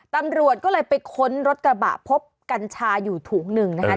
ตำรวจก็เลยไปค้นรถกระบะพบกัญชาอยู่ถุงหนึ่งนะคะ